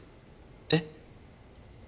えっ。